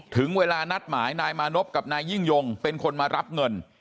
ถึงเวลานัดหมายนายมานพกับนายยิ่งยงเป็นคนมารับเงิน